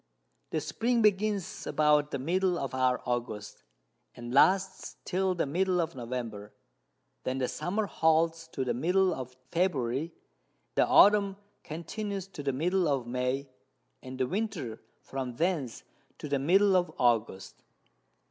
_] The Spring begins about the Middle of our August, and lasts till the Middle of November; then the Summer holds to the Middle of February, the Autumn continues to the Middle of May, and the Winter from thence to the Middle of August.